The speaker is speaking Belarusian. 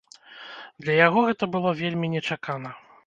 Для яго гэта было вельмі нечакана.